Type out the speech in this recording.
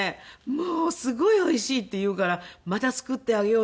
「もうすごいおいしい」って言うから「また作ってあげようね！